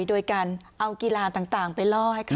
โดยการเอากีฬาต่างไปล่อให้เขา